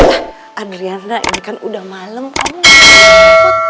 ah adriana ini kan udah malem kamu mau masuk